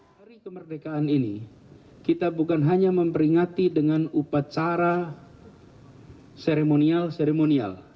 hari kemerdekaan ini kita bukan hanya memperingati dengan upacara seremonial seremonial